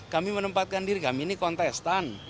kami menempatkan diri kami ini kontestan